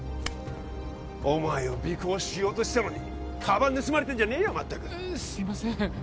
お前を尾行しようとしてたのにカバン盗まれてんじゃねえよ全くすいません